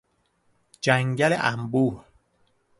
جنگل انبوه